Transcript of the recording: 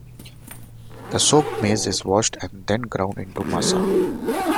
The soaked maize is washed, and then ground into masa.